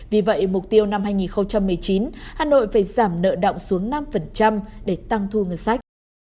vì vậy mục tiêu năm hai nghìn một mươi chín hà nội phải giảm nợ động xuống năm để tăng thu ngân sách